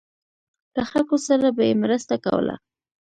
له خلکو سره به یې مرسته کوله.